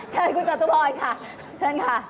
เชิญคุณจตุพรค่ะเชิญค่ะ